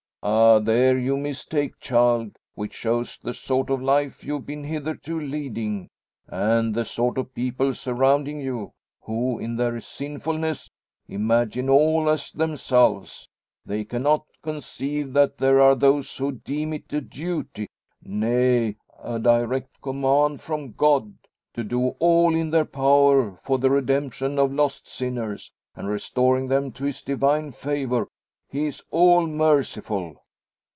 "Ah! there you mistake, child; which shows the sort of life you've been hitherto leading; and the sort of people surrounding you; who, in their sinfulness, imagine all as themselves. They cannot conceive that there are those who deem it a duty nay, a direct command from God to do all in their power for the redemption of lost sinners, and restoring them to his divine favour. He is all merciful."